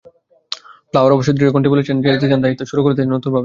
Flower অবশ্য দৃঢ়কণ্ঠেই বলছেন, থেকে যেতে চান দায়িত্বে, শুরু করতে চান নতুনভাবে।